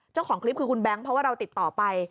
เจ้าของคลิปคือคุณแบงค์เพราะว่าเราติดต่อไป